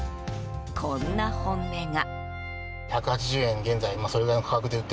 こんな本音が。